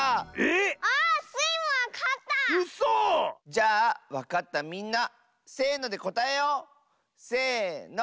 じゃあわかったみんなせのでこたえよう！せの。